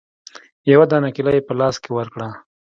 يوه دانه کېله يې په لاس کښې ورکړه.